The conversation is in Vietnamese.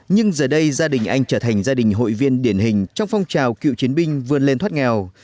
nhưng giờ đây gia đình anh trở thành gia đình hội viên điển hình trong phong trào cựu chiến binh vươn lên thoát nghèo